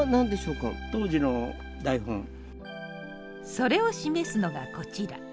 それを示すのがこちら。